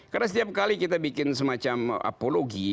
karena setiap kali kita bikin semacam apologi